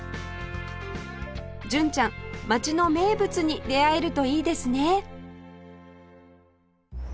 純ちゃん街の名物に出会えるといいですね